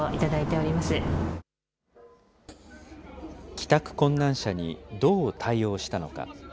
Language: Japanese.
帰宅困難者にどう対応したのか。